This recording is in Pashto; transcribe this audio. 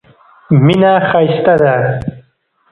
مینه ښایسته ده.